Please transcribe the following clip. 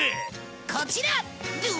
こちら！